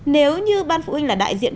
nếu như ban phụ huynh là đại diện